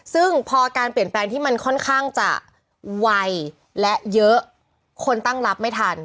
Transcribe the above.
ซึ่งพอการเปลี่ยนแปลงที่มันค่อนข้างจะไวและเยอะคนตั้งรับไม่ทัน